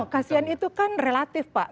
kasian itu kan relatif pak